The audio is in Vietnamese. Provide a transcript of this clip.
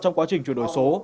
trong quá trình chuyển đổi số